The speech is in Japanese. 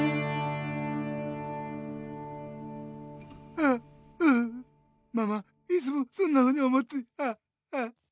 ううううママいつもそんなふうに思ってああ。